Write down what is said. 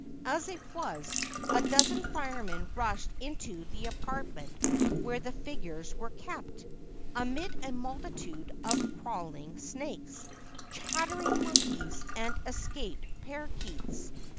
As it was, a dozen firemen rushed into the apartment where the figures were kept, amid a multitude of crawling snakes, chattering monkeys and escaped paroquets.